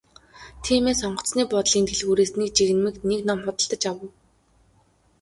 Тиймээс онгоцны буудлын дэлгүүрээс нэг жигнэмэг нэг ном худалдаж авав.